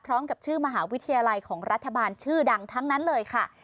ชื่อมหาวิทยาลัยของรัฐบาลชื่อดังทั้งนั้นเลยค่ะ